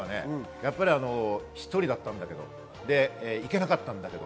１人だったんだけど行けなかったんだけれど、